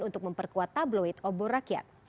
untuk memperkuat tabloid obor rakyat